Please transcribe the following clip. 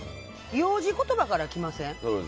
幼児言葉から来ません？